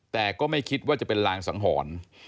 แต่ก็ไม่คิดว่าจะเป็นรางสังหรณ์